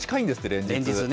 連日。